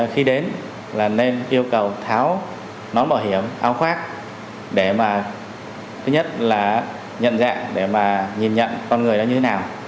khi đến nên yêu cầu tháo nón bảo hiểm áo khoác để nhận dạng nhìn nhận con người như thế nào